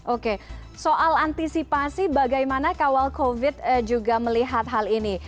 oke soal antisipasi bagaimana kawal covid juga melihat hal ini